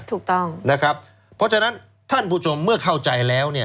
ถูกต้องนะครับเพราะฉะนั้นท่านผู้ชมเมื่อเข้าใจแล้วเนี่ย